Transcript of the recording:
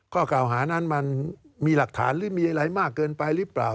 ข้อกล่าวหานั้นมันมีหลักฐานหรือมีอะไรมากเกินไปหรือเปล่า